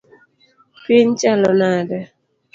Piny chalo nade?